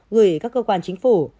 gửi các cơ quan chính phủ